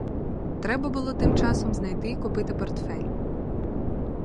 Треба було тим часом знайти й купити портфель.